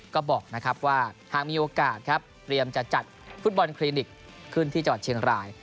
ก็บอกนะครับว่าหากมีโอกาสครับเตรียมจะจัดฟุตบอลคลินิกขึ้นที่จังหวัดเชียงราย